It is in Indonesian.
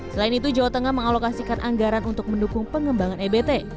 selain itu jawa tengah mengalokasikan anggaran untuk mendukung pengembangan ebt